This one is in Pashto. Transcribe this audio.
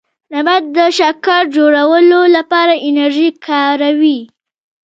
نبات د شکر جوړولو لپاره انرژي کاروي